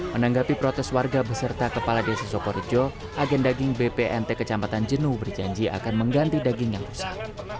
menanggapi protes warga beserta kepala desa sokorejo agen daging bpnt kecamatan jenuh berjanji akan mengganti daging yang rusak